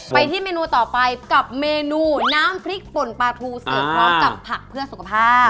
ไปที่เมนูต่อไปกับเมนูน้ำพริกป่นปลาทูเสิร์ฟพร้อมกับผักเพื่อสุขภาพ